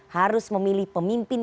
harus memilih pemimpin